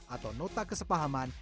atau nota kesepahaman